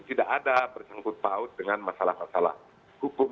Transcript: tidak ada bersengkut paut dengan masalah masalah hukum